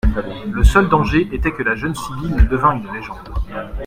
Le seul danger était que la jeune sibylle ne devînt une légende.